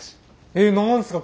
えっ何すか？